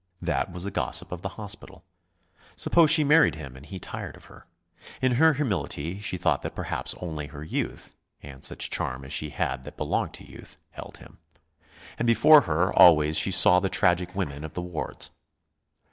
That was the gossip of the hospital. Suppose she married him and he tired of her? In her humility she thought that perhaps only her youth, and such charm as she had that belonged to youth, held him. And before her, always, she saw the tragic women of the wards.